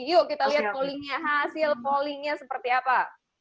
yuk kita lihat pollingnya hasil pollingnya seperti apa